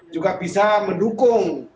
juga bisa mendukung